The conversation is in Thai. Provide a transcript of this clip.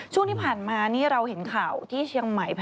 ช่วงที่ผ่านมานี่เราเห็นข่าวที่เชียงใหม่